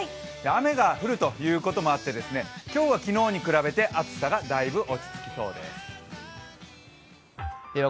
雨が降るということもあって、今日は昨日に比べて暑さがだいぶ落ち着きそうです。